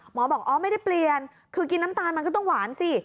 หมอบอกอ๋อไม่ได้เปลี่ยนคือกินน้ำตาลมันก็ต้องหวานสิ